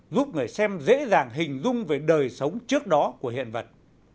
giúp người xem dễ dàng hình dung về đời sống trước đó của hiện vật